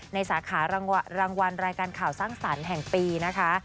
สาขารางวัลรายการข่าวสร้างสรรค์แห่งปีนะคะ